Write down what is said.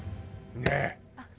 ねえ！